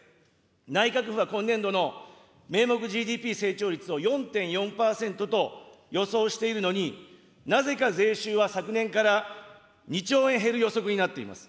内閣府は今年度の名目ＧＤＰ成長率を４．４％と予想しているのに、なぜか税収は昨年から２兆円減る予測になっています。